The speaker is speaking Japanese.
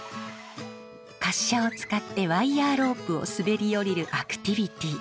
滑車を使ってワイヤーロープを滑り降りるアクティビティー。